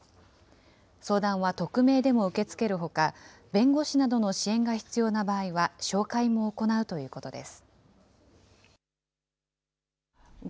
相談は匿名でも受け付けるほか、弁護士などの支援が必要な場合は紹介も行うということです。